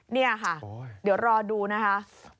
นี่ค่ะเดี๋ยวรอดูนะคะ